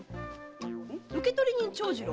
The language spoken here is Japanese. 「受取人長次郎」